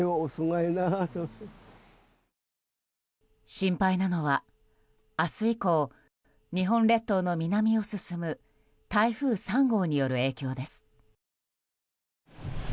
心配なのは明日以降日本列島の南を進む台風３号による影響です。